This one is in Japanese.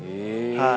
はい。